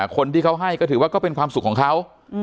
คนที่เขาให้ก็ถือว่าก็เป็นความสุขของเขา